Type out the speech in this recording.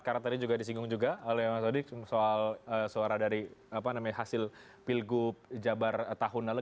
karena tadi juga disinggung juga oleh mas wadik soal suara dari hasil pilgub jabar tahun nala